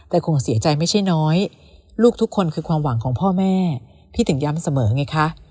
แต่คงเสียใจไม่ใช่น้อยลูกทุกคนคือความหวังของพ่อแม่พี่ถึงย้ำเสมอไงคะ